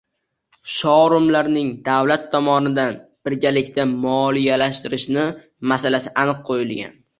shourumlarning davlat tomonidan birgalikda moliyalashtirilishi masalasi aniq qo‘yilgan.